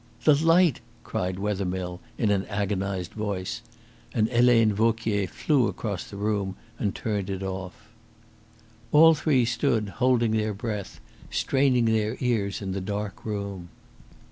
"The light," cried Wethermill in an agonised voice, and Helena Vauquier flew across the room and turned it off. All three stood holding their breath, straining their ears in the dark room.